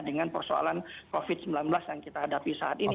dengan persoalan covid sembilan belas yang kita hadapi saat ini